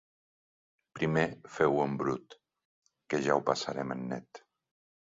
Primer feu-ho en brut, que ja ho passarem en net.